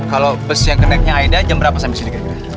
kalau bisisi konek aida jam berapa sampai sini